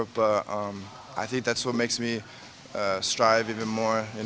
tapi saya pikir itu yang membuat saya berusaha lebih banyak